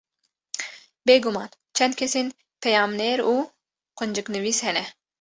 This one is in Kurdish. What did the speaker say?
Bêguman çend kesên peyamnêr û qunciknivîs hene